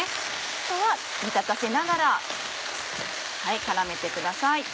あとは煮立たせながら絡めてください。